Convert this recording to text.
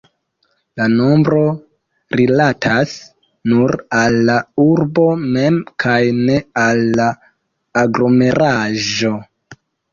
La nombro rilatas nur al la urbo mem kaj ne al la aglomeraĵo.